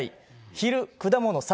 昼、果物、魚。